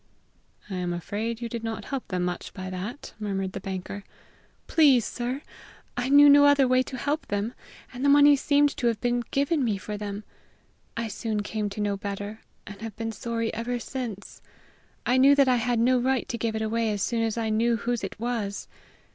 "I am afraid you did not help them much by that," murmured the banker. "Please, sir, I knew no other way to help them; and the money seemed to have been given me for them. I soon came to know better, and have been sorry ever since. I knew that I had no right to give it away as soon as I knew whose it was."